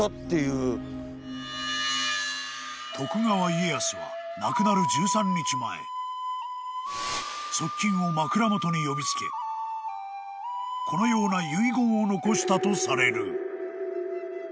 ［徳川家康は亡くなる１３日前側近を枕元に呼びつけこのような遺言を残したとされる］